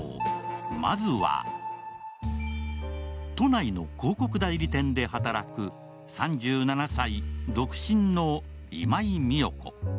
まずは、都内の広告代理店で働く３７歳、独身の今井美世子。